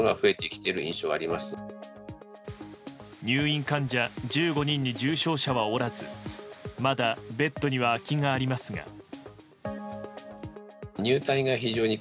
入院患者１５人に重症者はおらずまだベッドには空きがありますが。